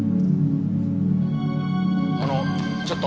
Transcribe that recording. あのちょっと。